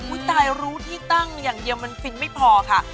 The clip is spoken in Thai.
ตายรู้ที่ตั้งอย่างเดียวมันฟินไม่พอค่ะ